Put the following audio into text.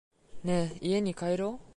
ねぇ、家に帰ろう。